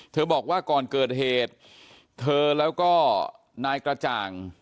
บอกว่าก่อนเกิดเหตุเธอแล้วก็นายกระจ่าง